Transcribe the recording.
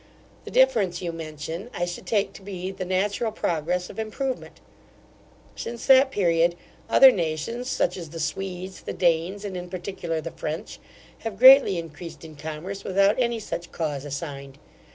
The difference you mention, I should take to be the natural progress of improvement Since that period, other nations, such as the Swedes, the Danes, and in particular the French, have greatly increased in commerce, without any such cause assigned.